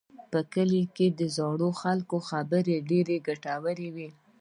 په کلي کې د زړو خلکو خبرې ډېرې ګټورې وي.